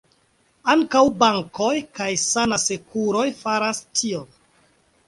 Ankaŭ bankoj kaj sanasekuroj faras tion.